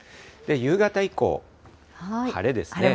夕方以降、晴れですね。